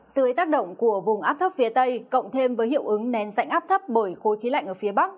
sự hệ tác động của vùng áp thấp phía tây cộng thêm với hiệu ứng nén sảnh áp thấp bởi khối khí lạnh ở phía bắc